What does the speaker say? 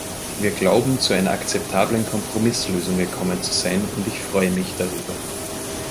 Wir glauben, zu einer akzeptablen Kompromisslösung gekommen zu sein, und ich freue mich darüber.